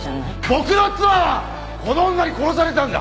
僕の妻はこの女に殺されたんだ！